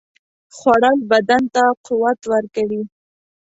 خوړل بدن ته قوت ورکوي